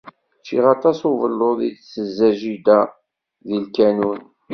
Ččiɣ aṭas n ubelluḍ id-tezza jida deg ukanun.